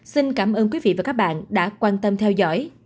xin cảm ơn quý vị và các bạn đã quan tâm theo dõi